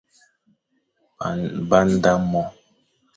Ba nda mo,